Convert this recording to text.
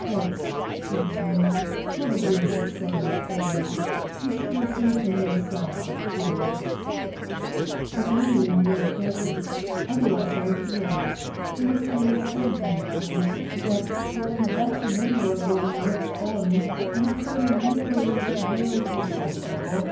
" Ex king. Probably the same thing. You should receive him yourself, of course." "But only in your presence. Otherwise I re fuse. You must understand, my friend, that from that memorable night on I have been merely your disciple.